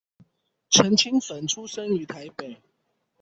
陳清汾出生於台北